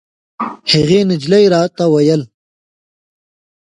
هغې نجلۍ راته ویل.